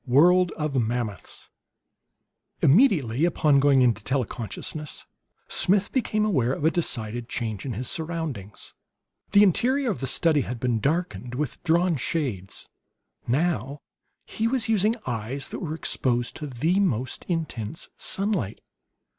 III WORLD OF MAMMOTHS Immediately upon going into tele consciousness Smith became aware of a decided change in his surroundings. The interior of the study had been darkened with drawn shades; now he was using eyes that were exposed to the most intense sunlight.